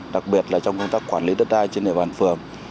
đặc biệt là trong công tác quản lý đất đai trên địa bàn phường